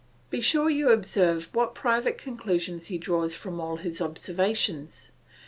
Be sure you observe what private conclusions he draws from all his observations.